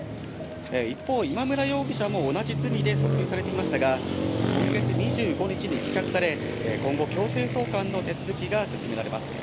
一方、今村容疑者も同じ罪で訴追されていましたが、今月２５日に棄却され、今後、強制送還の手続きが進められます。